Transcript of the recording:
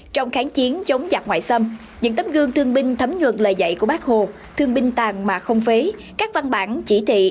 trong kháng chiến chống giặc ngoại xâm những tấm gương thương binh thấm nhuận lời dạy của bác hồ thương binh tàn mà không phế các văn bản chỉ thị